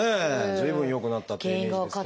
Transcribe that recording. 随分良くなったというイメージですけれど。